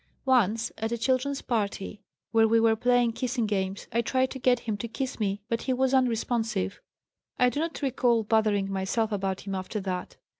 Once at a children's party where we were playing kissing games I tried to get him to kiss me, but he was unresponsive. I do not recall bothering myself about him after that.